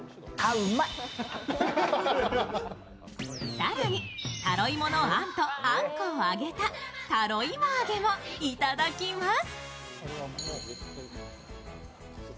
更に、タロイモのあんとあんこを揚げたタロイモ揚げもいただきます。